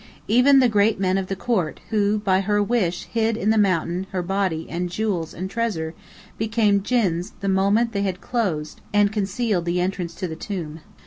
Even the great men of the court who by her wish hid in the mountain her body and jewels and treasure, became djinns the moment they had closed and concealed the entrance to the tomb.